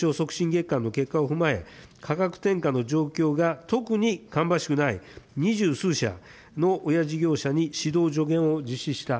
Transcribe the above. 月間の結果を踏まえ、価格転嫁の状況が特に芳しくない二十数社の親事業者に指導助言を実施した。